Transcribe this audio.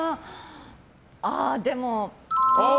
あー、でも。